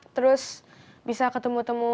terus bisa ketemu temu